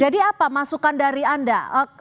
jadi apa masukan dari anda